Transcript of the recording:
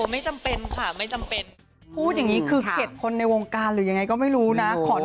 ไม่ได้มาชดใครไม่ได้เขาเสียดาย